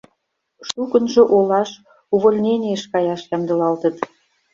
Шукынжо олаш увольненийыш каяш ямдылалтыт.